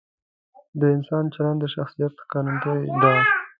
د انسان چلند د شخصیت ښکارندوی دی.